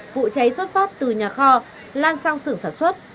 vụ cháy xuất phát từ nhà kho lan sang sưởng sản xuất